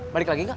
balik lagi enggak